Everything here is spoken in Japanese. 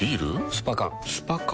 スパ缶スパ缶？